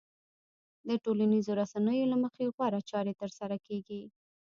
د ټولنيزو رسنيو له مخې غوره چارې ترسره کېږي.